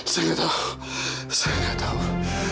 saya enggak tahu saya enggak tahu